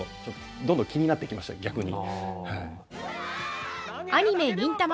どんどん気になってきました逆に。